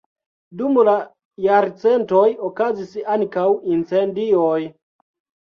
Dum la jarcentoj okazis ankaŭ incendioj.